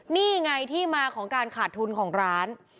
นี่ไงที่มาของการขาดทุนของร้าน